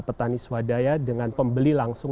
petani swadaya dengan pembeli langsung